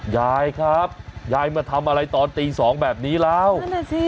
ยายครับยายมาทำอะไรตอนตีสองแบบนี้แล้วนั่นน่ะสิ